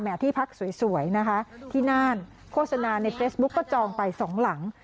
ที่พักสวยนะคะที่น่านโฆษณาในเฟซบุ๊กก็จองไปสองหลัง